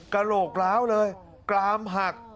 กะโรกล้าวเลยกลามหัก